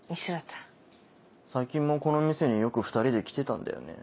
最近もこの店によく２人で来てたんだよね。